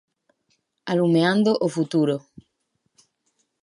Alumeando o futuro.